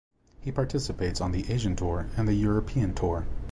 He participates on the Asian Tour and the European Tour.